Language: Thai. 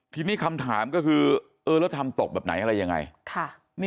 ทีนี้คำถามก็คือเออแล้วทำตกแบบไหนอะไรยังไง